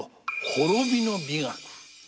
滅びの美学。